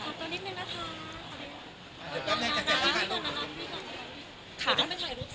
แปบนี้เกินปุ่นย่อนหวาน